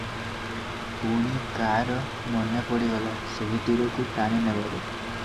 ପୁଣି କାର ମନେ ପଡ଼ିଗଲା- ସେହି ଦୂରକୁ ଟାଣି ନେବାକୁ?